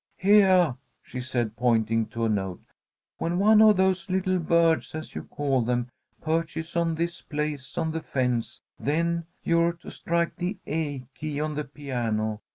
"Heah," she said, pointing to a note. "When one of those little birds, as you call them, perches on this place on the fence, then you're to strike the A key on the piano.